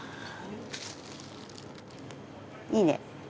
いいね。